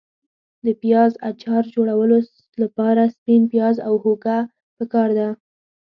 د پیاز اچار جوړولو لپاره سپین پیاز او هوګه پکار دي.